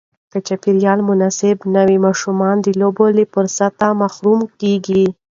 که چاپېریال مناسب نه وي، ماشومان د لوبو له فرصت محروم کېږي.